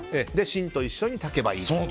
芯と一緒に炊けばいいと。